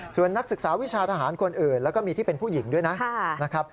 ส่วนนักศึกษาวิชาทหารคนอื่นแล้วก็มีที่เป็นผู้หญิงด้วยนะครับ